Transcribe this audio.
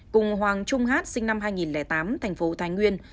cùng hoàng trung hát sinh năm hai nghìn tám thành phố thái nguyên